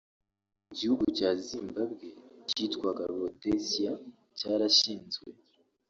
Igihugu cya Zimbabwe (cyitwaga Rhodesia) cyarashinzwe